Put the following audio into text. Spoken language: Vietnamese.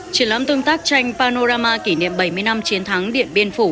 triển lãm tương tác tranh panorama kỷ niệm bảy mươi năm chiến thắng điện biên phủ